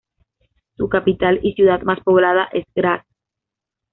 Su capital y ciudad más poblada es Graz.